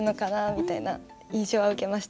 みたいな印象を受けました。